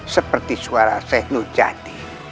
seperti suara sehnu jati